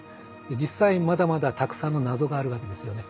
実際まだまだたくさんの謎があるわけですよね。